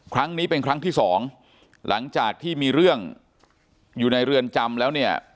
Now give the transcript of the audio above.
ครั้งนี้เป็นครั้งที่สองหลังจากที่มีเรื่องอยู่ในเรือนจำแล้วเนี่ย